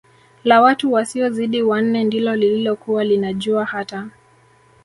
la watu wasiozidi wanne ndilo lililokuwa linajua hata